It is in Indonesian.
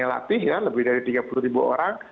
yang latih ya lebih dari tiga puluh ribu orang